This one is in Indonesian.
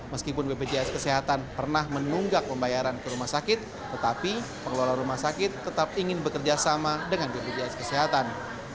meskipun bpjs kesehatan pernah menunggak pembayaran ke rumah sakit tetapi pengelola rumah sakit tetap ingin bekerja sama dengan bpjs kesehatan